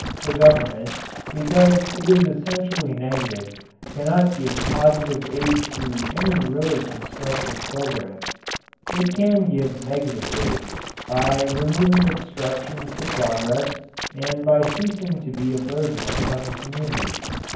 The government, because it is essentially negative, cannot give positive aid to any really constructive programme. It can give negative aid by removing obstructions to progress and by ceasing to be a burden upon the community.